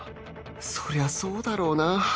そりゃそうだろうな